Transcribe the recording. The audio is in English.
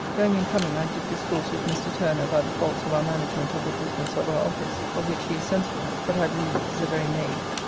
Going and coming I did discourse with Mr. Turner about the faults of our management of the business of our office, of which he is sensible, but I believe is a very knave.